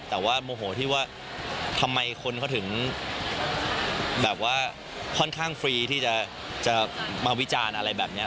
แต่ว่าโมโหที่ว่าทำไมคนเขาถึงแบบว่าค่อนข้างฟรีที่จะมาวิจารณ์อะไรแบบนี้